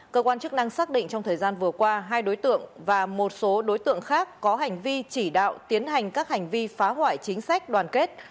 cơ quan chức năng xác định trong thời gian vừa qua hai đối tượng và một số đối tượng khác có hành vi chỉ đạo tiến hành các hành vi phá hoại chính sách đoàn kết